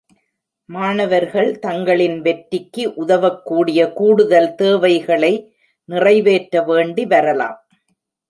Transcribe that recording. மாணவர்கள் தங்களின் வெற்றிக்கு உதவக்கூடிய கூடுதல் தேவைகளை நிறைவேற்ற வேண்டி வரலாம்.